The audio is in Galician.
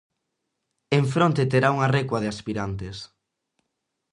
En fronte terá unha recua de aspirantes.